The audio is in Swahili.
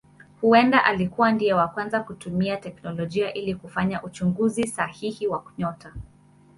Huenda alikuwa ndiye wa kwanza kutumia teknolojia ili kufanya uchunguzi sahihi wa nyota.